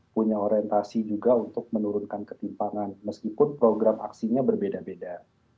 punya orientasi juga untuk menurunkan ketimpangan meskipun program aksinya berbeda beda